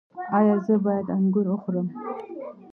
ایا زه باید انګور وخورم؟